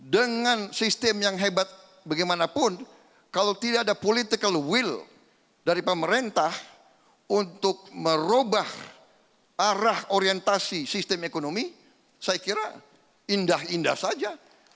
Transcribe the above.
dengan sistem yang hebat bagaimanapun kalau tidak ada political will dari pemerintah untuk merubah arah orientasi sistem ekonomi saya kira indah indah saja